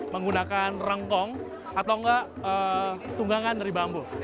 menggunakan rengkong atau enggak tunggangan dari bambu